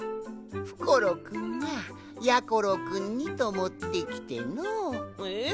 ふころくんがやころくんにともってきての。え！？